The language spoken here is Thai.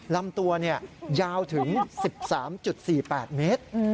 ลำตัวยาวถึง๑๓๔๘เมตร